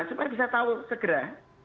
supaya bisa tahu segera